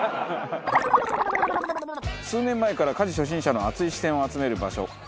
数年前から家事初心者の熱い視線を集める場所